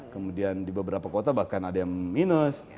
kemudian di beberapa kota bahkan ada yang minus